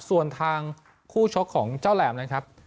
ส่วนทางคู่ชกของเจ้าแหลมนะครับ